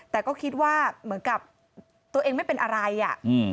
แต่ก็คิดว่าเหมือนกับตัวเองไม่เป็นอะไรอ่ะอืม